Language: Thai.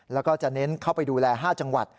แล้วก็จะเน้นเข้าไปดูแล๕จังหวัด